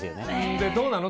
でどうなの？